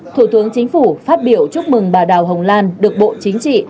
thủ tướng chính phủ phát biểu chúc mừng bà đào hồng lan được bộ chính trị